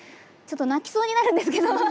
ちょっと泣きそうになるんですけど。